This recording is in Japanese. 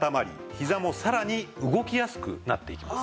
ひざもさらに動きやすくなっていきます。